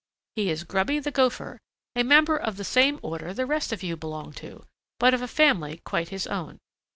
He is Grubby the Gopher, a member of the same order the rest of you belong to, but of a family quite his own.